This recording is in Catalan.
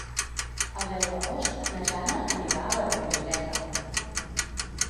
El deu d'agost na Jana anirà a la biblioteca.